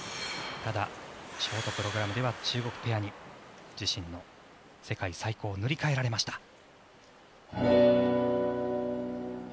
ただ、ショートプログラムでは中国ペアに自身の世界最高を塗り替えられました。